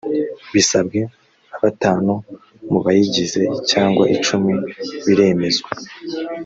bisabwe na batanu mubayigize cyangwa icumi biremezwa